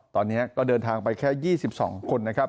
ตอนนี้เดินทางไปแค่๒๒คน